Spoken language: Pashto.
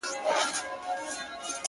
• اور به یې سبا د شیش محل پر لمن وګرځي,